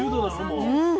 うん。